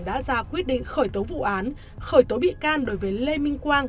đã ra quyết định khởi tố vụ án khởi tố bị can đối với lê minh quang